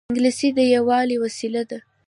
انګلیسي د یووالي وسیله ده